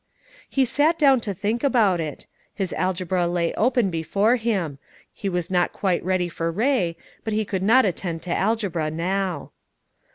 He sat down to think about it; his algebra lay open before him; he was not quite ready for Kay, but he could not attend to algebra now.